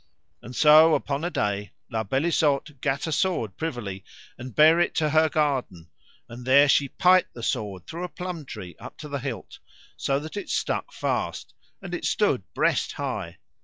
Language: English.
And so upon a day La Beale Isoud gat a sword privily and bare it to her garden, and there she pight the sword through a plum tree up to the hilt, so that it stuck fast, and it stood breast high.